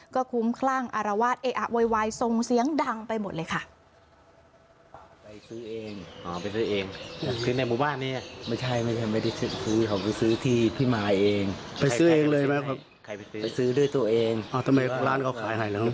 ก็คุ้มคลั่งอารวาสเออะโวยวายทรงเสียงดังไปหมดเลยค่ะ